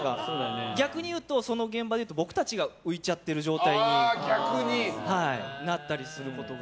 逆にいうと、その現場でいうと僕たちが浮いちゃってる状態になっていることが。